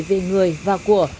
về người và của